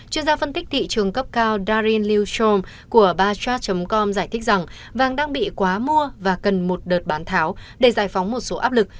chuyên gia phân tích thị trường cấp cao darin liu shom của barchat com giải thích rằng vàng đang bị quá mua và cần một đợt bán tháo để giải phóng một số áp lực